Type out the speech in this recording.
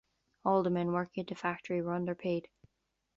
All the men working at the factory were underpaid.